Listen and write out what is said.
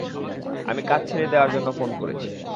আমি কাজ ছেড়ে দেওয়ার জন্য ফোন করেছি।